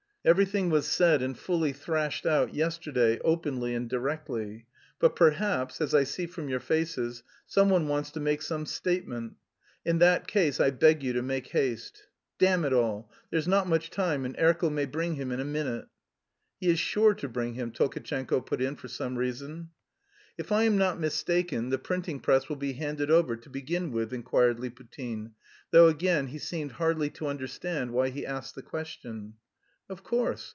Everything was said and fully thrashed out yesterday, openly and directly. But perhaps as I see from your faces someone wants to make some statement; in that case I beg you to make haste. Damn it all! there's not much time, and Erkel may bring him in a minute...." "He is sure to bring him," Tolkatchenko put in for some reason. "If I am not mistaken, the printing press will be handed over, to begin with?" inquired Liputin, though again he seemed hardly to understand why he asked the question. "Of course.